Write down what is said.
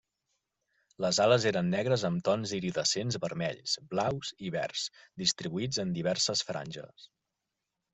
Les ales eren negres amb tons iridescents vermells, blaus i verds, distribuïts en diverses franges.